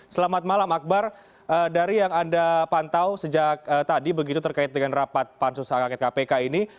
selamat malam akbar dari yang anda pantau sejak tadi begitu terkait dengan rapat pansus hak angket kpk ini